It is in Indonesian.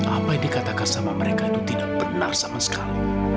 apa yang dikatakan sama mereka itu tidak benar sama sekali